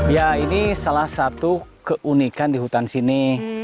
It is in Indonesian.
ya ini salah satu keunikan di hutan sini